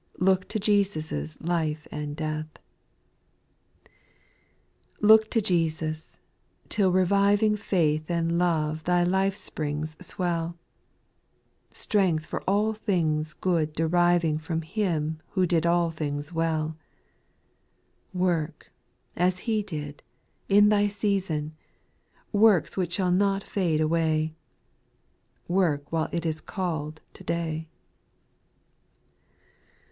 Look to Jesus' life and death. 2. Look to Jesus, till reviving Faith and love thy life springs swell ; Strength for all things good deriving From Him who did all things well : Work, as He did, in thy season, Works which shall not fade away, Work while it is calFd to day.